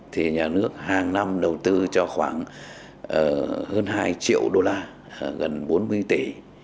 thì nhà nước hàng năm đầu tư cho khoảng hơn hai triệu đô la gần bốn mươi tỷ